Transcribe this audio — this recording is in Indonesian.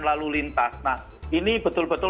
lalu lintas nah ini betul betul